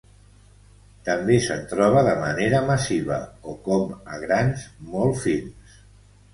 També se'n troba de manera massiva o com a grans molt fins.